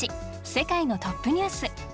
世界のトップニュース」。